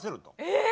え！